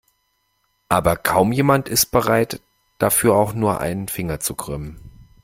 Aber kaum jemand ist bereit, dafür auch nur einen Finger zu krümmen.